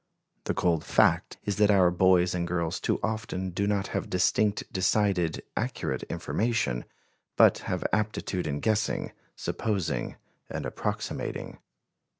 The cold fact is that our boys and girls too often do not have distinct, decided, accurate information; but have aptitude in guessing, supposing, and approximating.